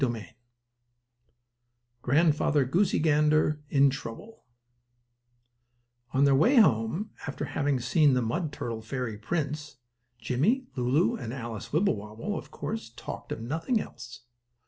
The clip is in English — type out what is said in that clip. STORY IX GRANDFATHER GOOSEY GANDER IN TROUBLE On their way home, after having seen the mud turtle fairy prince, Jimmie, Lulu and Alice Wibblewobble, of course, talked of nothing else.